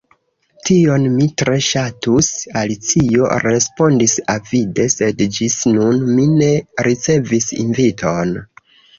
"Tion mi tre ŝatus," Alicio respondis avide, "sed ĝis nun mi ne ricevis inviton."